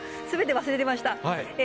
すべて忘れてました。